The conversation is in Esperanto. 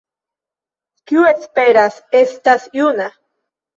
Kiu esperas, estas juna.